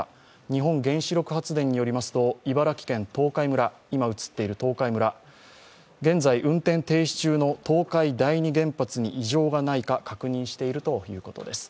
日本原子力発電によりますと茨城県東海村、今映っている東海村、現在、運転停止中の東海第二原発に異常がないか確認しているということです。